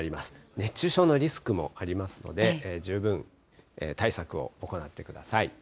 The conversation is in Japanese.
熱中症のリスクもありますので、十分対策を行ってください。